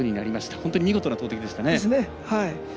本当に見事な投てきでしたね。